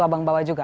abang bawa juga